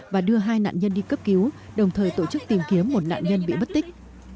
và đưa hai nạn nhân đi cấp cứu đồng thời tổ chức tìm kiếm một nạn nhân bị bất tích